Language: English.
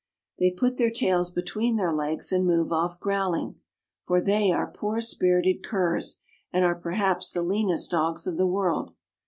They put their tails between their legs and move off growling, for they are poor spirited curs and are perhaps the leanest dogs of the world.